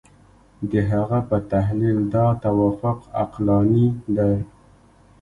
د هغه په تحلیل دا توافق عقلاني دی.